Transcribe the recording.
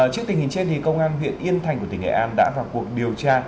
trước tình hình trên công an huyện yên thành của tỉnh nghệ an đã vào cuộc điều tra